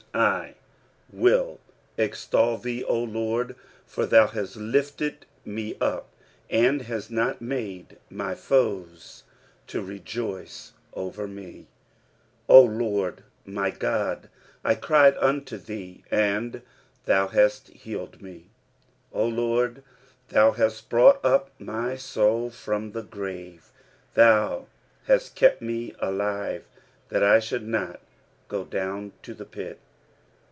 I WILL extol thee, O Lord ; for thou hast lifted me up, and hast not made my foes to rejoice over me. 2 O Lord my God, I cried unto thee, and thou hast healed me. 3 O Lord, thou hast brought up my soul from the grave ; thou hast kept me alive, that I should not go down to the pit.